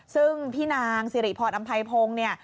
ซึ่งพี่นางสิริพรอำไพพงศ์เนี่ย